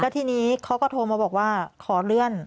ทีนี้เขาก็โทรมาบอกว่าขอเลื่อน